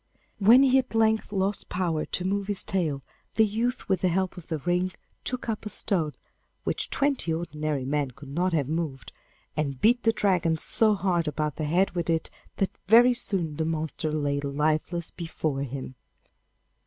When he at length lost power to move his tail, the youth with the help of the ring took up a stone which twenty ordinary men could not have moved, and beat the Dragon so hard about the head with it that very soon the monster lay lifeless before him.